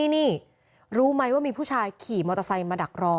นี่รู้ไหมว่ามีผู้ชายขี่มอเตอร์ไซค์มาดักรอ